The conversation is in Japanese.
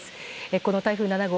この台風７号